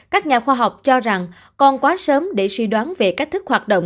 các nhà khoa học cho rằng còn quá sớm để suy đoán về cách thức hoạt động